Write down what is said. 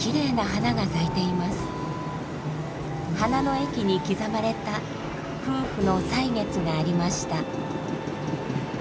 花の駅に刻まれた夫婦の歳月がありました。